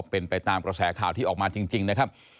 เป็นไปตามกระแสข่าวที่ออกมาจริงนะครับ